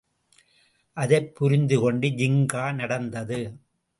அதைப் புரிந்து கொண்டு ஜின்கா நடந்தது.